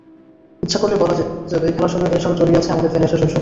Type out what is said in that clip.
ইচ্ছা করলে বলা যেত—এই খেলার সঙ্গে জড়িয়ে আছে আমাদের ফেলে আসা শৈশব।